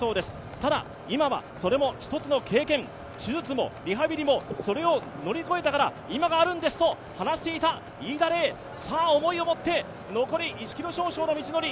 ただ、今はそれも一つの経験、手術もリハビリもそれを乗り越えたから今があるんですと話していた飯田怜。思いを持って、残り１ｋｍ少々の道のり。